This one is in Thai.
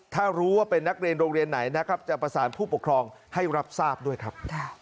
ถ้ารู้ว่าเป็นนักเรียนโรงเรียนไหนนะครับจะประสานผู้ปกครองให้รับทราบด้วยครับ